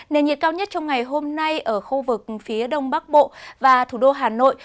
nền nhiệt cao nhất trong ngày hôm nay ở khu vực phía đông bắc bộ và thủ đô hà nội